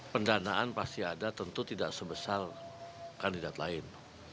pendanaan pasti ada tentu tidak sebesar kandidat lain